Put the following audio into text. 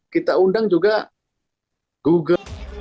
kita undang juga google